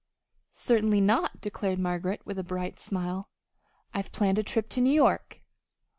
"Certainly not," declared Margaret, with a bright smile. "I've planned a trip to New York."